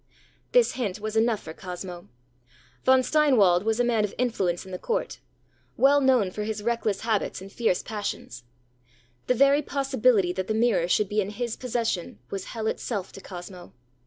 ã This hint was enough for Cosmo. Von Steinwald was a man of influence in the court, well known for his reckless habits and fierce passions. The very possibility that the mirror should be in his possession was hell itself to Cosmo.